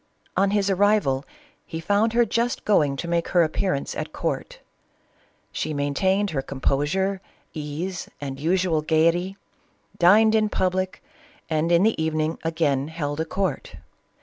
On his arrival he found her just going to make her appearance at court She maintained her compo sure, ease, and usual gayety, dined in public, and in the evening again held a court.